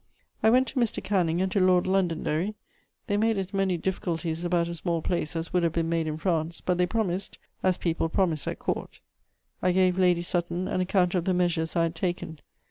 I went to Mr. Canning and to Lord Londonderry; they made as many difficulties about a small place as would have been made in France, but they promised, as people promise at Court. I gave Lady Sutton an account of the measures I had taken.